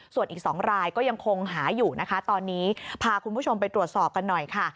ส่วนอีก๒รายก็ยังคงหาอยู่นะคะตอนนี้พาคุณผู้ชมไปตรวจสอบกันหน่อยค่ะ